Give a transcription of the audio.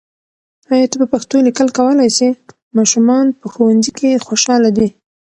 آیا ته په پښتو لیکل کولای سې؟ ماشومان په ښوونځي کې خوشاله دي.